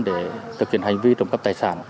để thực hiện hành vi trộm cắp tài sản